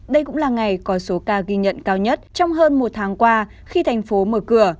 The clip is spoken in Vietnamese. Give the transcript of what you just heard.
đây cũng là ngày có số ca ghi nhận cao nhất trong hơn một tháng qua khi thành phố mở cửa